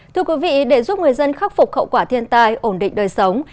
thưa quý vị để giúp người dân khắc phục khẩu quả thiên tai ổn định đời sống